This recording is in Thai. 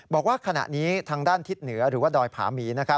บอกว่าขณะนี้ทางด้านทิศเหนือหรือว่าดอยผาหมี